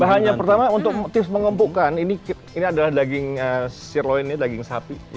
bahannya pertama untuk tips mengempukan ini adalah daging sirloinnya daging sapi